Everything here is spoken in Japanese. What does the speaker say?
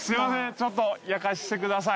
ちょっと焼かせてください